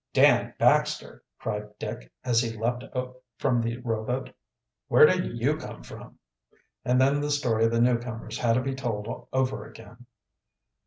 "Dan Baxter!" cried Dick, as he leaped from the rowboat. "Where did you come from?" And then the story of the newcomers had to be told over again.